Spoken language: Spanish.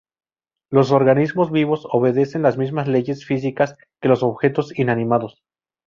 Los organismos vivos obedecen las mismas leyes físicas que los objetos inanimados.